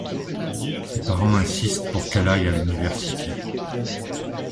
Ses parents insistent pour qu’elle aille à l’université.